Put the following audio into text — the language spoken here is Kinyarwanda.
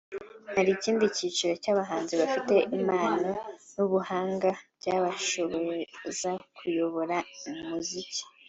Hari ikindi cyiciro cy’abahanzi bafite impano n’ubuhanga byabashoboza kuyobora umuziki